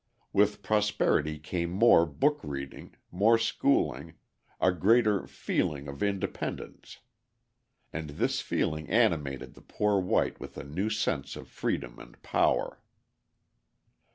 With prosperity came more book reading, more schooling, a greater feeling of independence. And this feeling animated the poor white with a new sense of freedom and power.